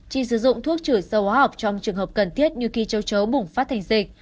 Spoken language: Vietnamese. chỉ sử dụng thuốc trừ sâu hóa học trong trường hợp cần thiết như khi châu chấu bùng phát thành dịch